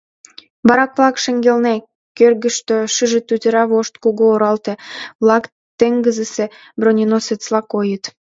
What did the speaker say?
Барак-влак шеҥгелне, кӧргыштӧ, шыже тӱтыра вошт кугу оралте-влак теҥызысе броненосецла койыт.